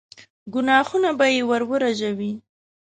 ګناهونه به يې ور ورژوي.